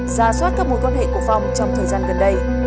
giả soát các mối quan hệ của phong trong thời gian gần đây